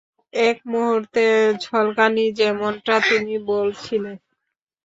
এক মুহূর্তের ঝলকানি, যেমনটা তুমি বলছিলে!